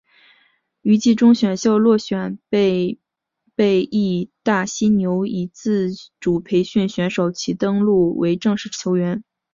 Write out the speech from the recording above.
于季中选秀落选被被义大犀牛以自主培训选手其登录为正式球员。